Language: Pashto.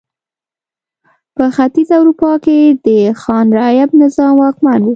په ختیځه اروپا کې د خان رعیت نظام واکمن و.